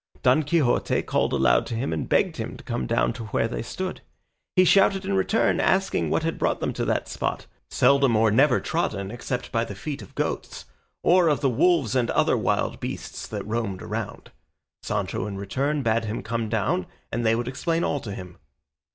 Don Quixote called aloud to him and begged him to come down to where they stood. He shouted in return, asking what had brought them to that spot, seldom or never trodden except by the feet of goats, or of the wolves and other wild beasts that roamed around. Sancho in return bade him come down, and they would explain all to him.